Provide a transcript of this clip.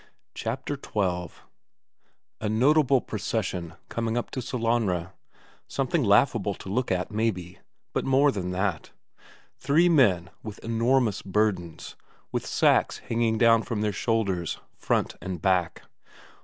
Chapter XII A notable procession coming up to Sellanraa; Something laughable to look at, maybe, but more than that. Three men with enormous burdens, with sacks hanging down from their shoulders, front and back.